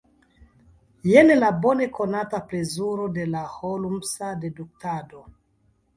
Jen la bonekonata plezuro de la holmsa deduktado.